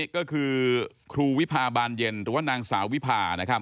ก็คือครูวิพาบานเย็นหรือว่านางสาววิพา